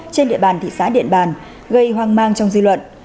trên địa bàn thị xã điện bàn gây hoang mang trong dư luận